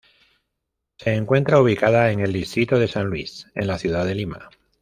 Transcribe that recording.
Se encuentra ubicada en el Distrito de San Luis, en la ciudad de Lima.